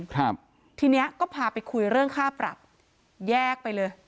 ครับทีเนี้ยก็พาไปคุยเรื่องค่าปรับแยกไปเลย